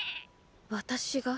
私が？